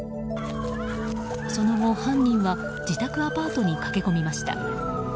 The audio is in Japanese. その後、犯人は自宅アパートに駆け込みました。